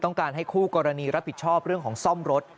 การให้คู่กรณีรับผิดชอบเรื่องของซ่อมรถ